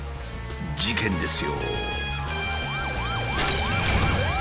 事件ですよ。